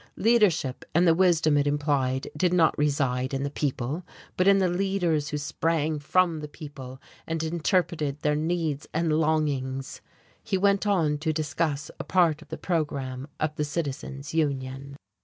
Leadership, and the wisdom it implied, did not reside in the people, but in the leaders who sprang from the people and interpreted their needs and longings.... He went on to discuss a part of the programme of the Citizens Union....